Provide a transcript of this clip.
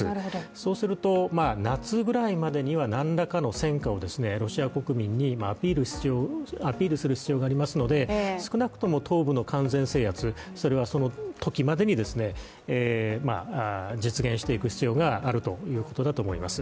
そうすると、夏ぐらいまでには何らかの戦果をロシア国民にアピールする必要がありますので少なくとも東部の完全制圧はそのときまでに実現していく必要があるということだと思います。